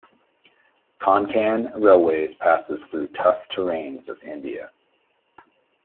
Konkan Railways passes through tough terrains of India.